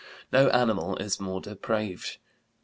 No animal is more depraved.